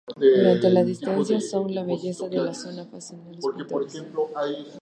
Durante la dinastía Song la belleza de la zona fascinó a los pintores.